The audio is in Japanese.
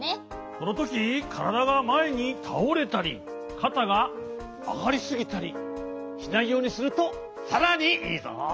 このときからだがまえにたおれたりかたがあがりすぎたりしないようにするとさらにいいぞ。